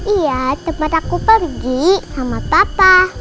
iya tempat aku pergi sama papa